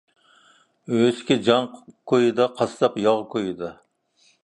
ئۆچكە جان كويىدا، قاسساپ ياغ كويىدا.